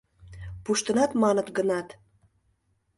«Пуштынат маныт гынат.